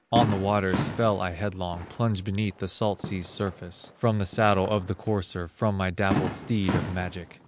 On the waters fell I headlong, Plunged beneath the salt sea's surface, From the saddle of the courser, From my dappled steed of magic.